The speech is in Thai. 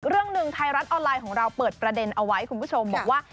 เรื่องหนึ่งไทยรัฐออนไลน์ของเราเปิดประเด็นเอาไว้คุณผู้ชมบอกว่า